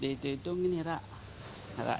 di hitung hitung ini rak